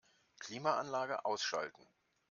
Klimaanlage ausschalten.